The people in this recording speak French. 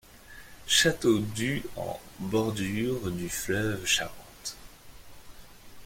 Château du en bordure du fleuve Charente.